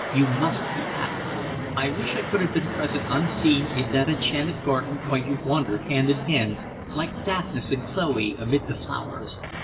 You must be happy! I wish I could have been present unseen in that enchanted garden while you wandered hand in hand, like Daphnis and Chloe, amid the flowers.